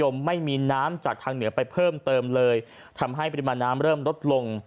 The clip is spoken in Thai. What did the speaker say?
ไม่มีน้ำจากทางเหนือไปเพิ่มเติมเลยทำให้ปริมาณน้ำเริ่มลดลง